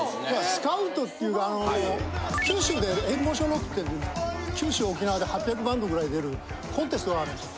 スカウトっていうかあの九州でＬ−ＭＯＴＩＯＮっていう九州沖縄で８００バンドぐらい出るコンテストがあるんですよ。